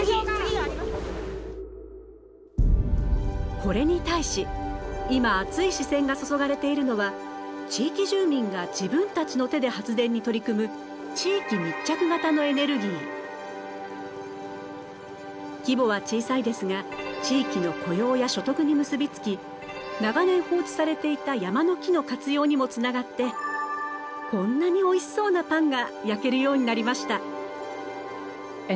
これに対し今熱い視線が注がれているのは地域住民が自分たちの手で発電に取り組む規模は小さいですが地域の雇用や所得に結び付き長年放置されていた山の木の活用にもつながってこんなにおいしそうなパンが焼けるようになりました。